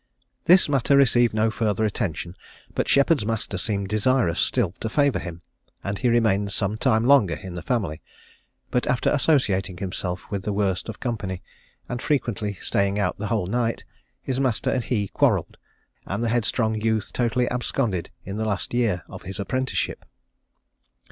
This matter received no further attention; but Sheppard's master seemed desirous still to favour him, and he remained some time longer in the family; but after associating himself with the worst of company, and frequently staying out the whole night, his master and he quarrelled, and the headstrong youth totally absconded in the last year of his apprenticeship.